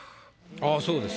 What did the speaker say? あっそうですか。